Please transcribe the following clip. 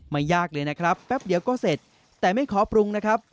ยากเลยนะครับแป๊บเดียวก็เสร็จแต่ไม่ขอปรุงนะครับ